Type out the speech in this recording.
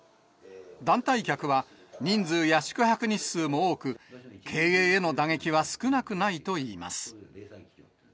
団体客は、人数や宿泊日数も多く、経営への打撃は少なくないといいます。